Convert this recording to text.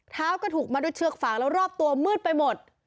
เท้าก็ถูกมาด้วยเชือกฝางแล้วรอบตัวมืดไปหมด